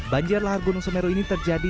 banjir lahar gunung semeru ini terjadi